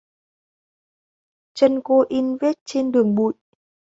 Chân cô in vết trên đường bụi